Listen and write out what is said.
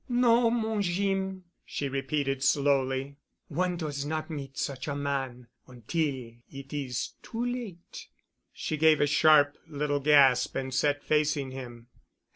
"No, mon Jeem," she repeated slowly. "One does not meet such a man, ontil it is too late." She gave a sharp little gasp and sat up facing him.